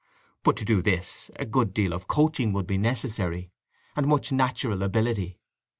But to do this a good deal of coaching would be necessary, and much natural ability.